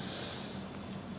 dari rumah sakit rsud kabupaten